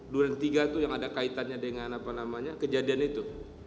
duren tiga itu yang ada kaitannya dengan apa namanya kejadian itu